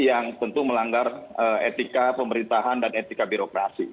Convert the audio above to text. yang tentu melanggar etika pemerintahan dan etika birokrasi